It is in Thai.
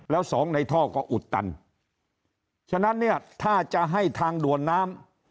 แล้วสองในท่อก็อุดตันฉะนั้นเนี่ยถ้าจะให้ทางด่วนน้ำ